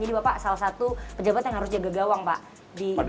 jadi bapak salah satu pejabat yang harus jaga gawang pak di jakarta